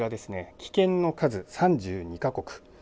棄権の数、３２か国。